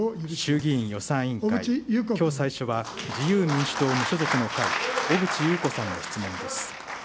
衆議院予算委員会、きょう最初は、自由民主党・無所属の会、小渕優子さんの質問です。